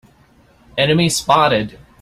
Enemy spotted!